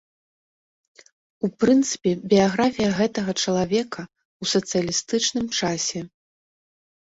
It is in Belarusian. У прынцыпе, біяграфія гэтага чалавека ў сацыялістычным часе.